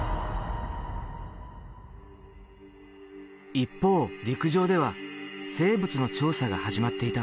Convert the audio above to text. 一方陸上では生物の調査が始まっていた。